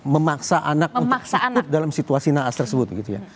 memaksa anak untuk hidup dalam situasi naas tersebut